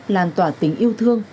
làn tỏa tính yêu thương